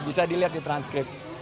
bisa dilihat di transkrip